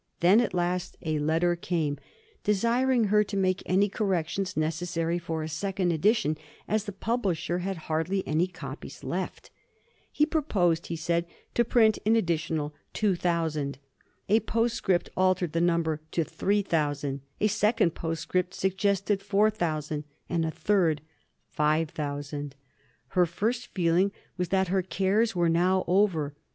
Then at last a letter came, desiring her to make any corrections necessary for a second edition, as the publisher had hardly any copies left. He proposed, he said, to print an additional 2000. A postscript altered the number to 3000, a second postscript suggested 4000, and a third 5000! Her first feeling was that all her cares were now over.